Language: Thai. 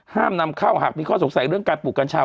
ห้ามนำเข้าหากมีข้อสงสัยเรื่องการปลูกกัญชา